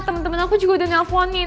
temen temen aku juga udah nelfonin